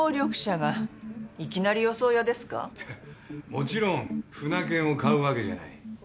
もちろん舟券を買うわけじゃない。